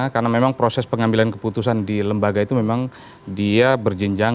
karena memang proses pengambilan keputusan di lembaga itu memang dia berjinjang